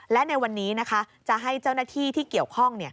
และในวันนี้นะคะจะให้เจ้าหน้าที่ที่เกี่ยวข้อง